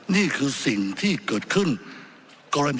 นี่คือสิ่งที่เกิดขึ้นกรณี